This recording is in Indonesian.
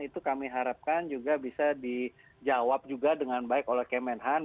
itu kami harapkan juga bisa dijawab juga dengan baik oleh kemenhan